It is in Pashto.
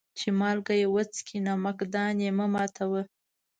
چي مالگه يې وڅکې ، نمک دان يې مه ماتوه.